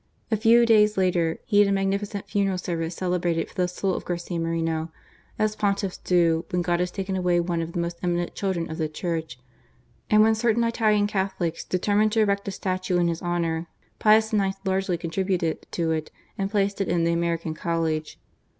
A few days later he had a magnificent funeral service celebrated for the soul of Garcia Moreno, as Pontiffs do when God has taken away one of the most eminent children of the Church ; and when certain Italian Catholics determined to erect a statue in his honour, Pius IX. largely contributed to it, and placed it in the American College.